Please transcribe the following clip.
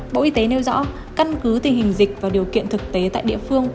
bộ y tế nêu rõ căn cứ tình hình dịch và điều kiện thực tế tại địa phương